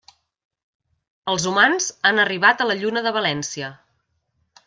Els humans han arribat a la Lluna de València.